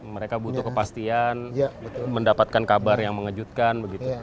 mereka butuh kepastian mendapatkan kabar yang mengejutkan begitu